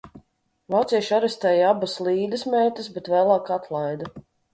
Vācieši arestēja abas Līdas meitas, bet vēlāk atlaida.